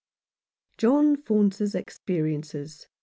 JOHN FAUNCE'S EXPERIENCES.